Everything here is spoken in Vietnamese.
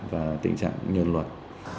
và tình trạng nhuận luật